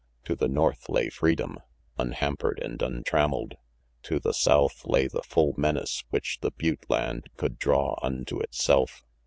To the north lay freedom, unhampered and untramelled. To the south lay the full menace which the butte land could draw unto itself.